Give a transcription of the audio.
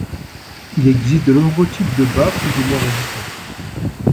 Il existe de nombreux types de bâts plus ou moins résistants.